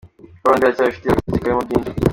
Call Rwanda iracyabafitiye agaseke karimo byinshi.